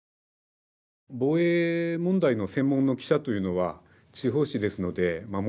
防衛問題の専門の記者というのは地方紙ですのでもちろんいません。